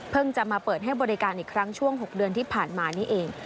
จะมาเปิดให้บริการอีกครั้งช่วง๖เดือนที่ผ่านมานี่เอง